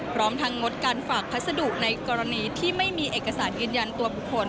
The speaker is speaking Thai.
พร้อมทางงดการฝากพัสดุในกรณีที่ไม่มีเอกสารยืนยันตัวบุคคล